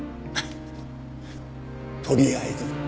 とりあえずだ。